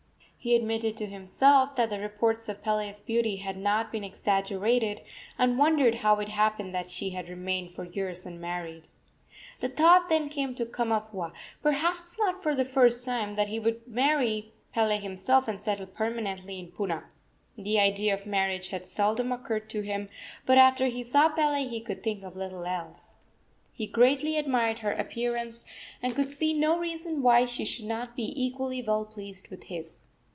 He admitted to himself that the reports of Pele's beauty had not been exaggerated, and wondered how it happened that she had remained for years unmarried. The thought then came to Kamapuaa perhaps not for the first time that he would marry Pele himself and settle permanently in Puna. The idea of marriage had seldom occurred to him, but after he saw Pele he could think of little else. He greatly admired her appearance, and could see no reason why she should not be equally well pleased with his.